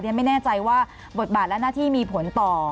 ไม่แน่ใจว่าบทบาทและหน้าที่มีผลต่อ